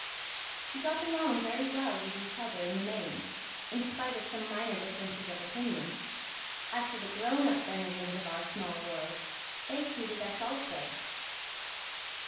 We got along very well with each other in the main, in spite of some minor differences of opinion. As for the grown up denizens of our small world, they suited us also.